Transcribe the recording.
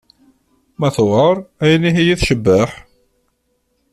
Ma tuɛer ayen ihi i tecbeḥ?